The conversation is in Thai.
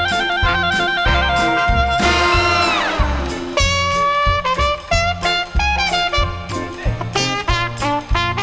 สวัสดีครับ